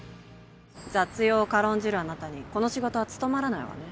雑用を軽んじるあなたにこの仕事は務まらないわね